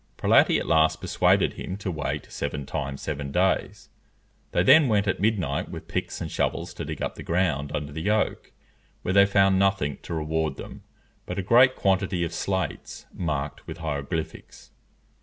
Prelati at last persuaded him to wait seven times seven days. They then went at midnight with picks and shovels to dig up the ground under the oak, where they found nothing to reward them but a great quantity of slates, marked with hieroglyphics.